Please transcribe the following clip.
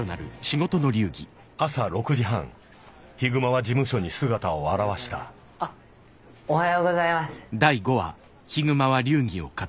朝６時半悲熊は事務所に姿を現したあっおはようございます。